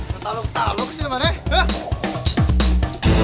ketalu ketalu siapa ini